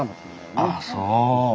ああそう。